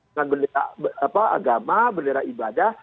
agama bendera ibadah